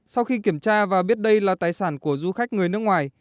sau khi kiểm tra và biết đây là tài sản của du khách người nước ngoài